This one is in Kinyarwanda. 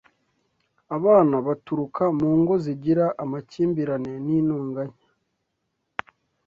abana baturuka mu ngo zigira amakimbirane n’intonganya,